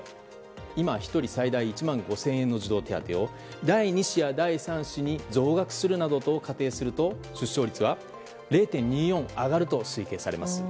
今、１人最大１万５０００円の児童手当を第２子や第３子に増額するなどと仮定すると出生率は０．２４上がると推計されます。